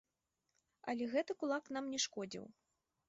Але гэты кулак нам не шкодзіў.